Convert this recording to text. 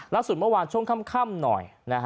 ล่าสุดเมื่อวานช่วงค่ำหน่อย